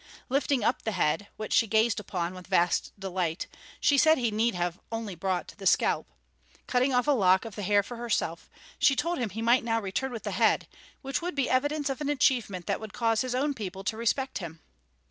Lifting up the head, which she gazed upon with vast delight, she said he need only have brought the scalp. Cutting off a lock of the hair for herself, she told him he might now return with the head, which would be evidence of an achievement that would cause his own people to respect him.